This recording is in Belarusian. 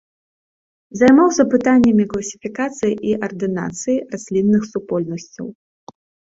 Займаўся пытаннямі класіфікацыі і ардынацыі раслінных супольнасцяў.